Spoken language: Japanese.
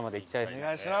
お願いします。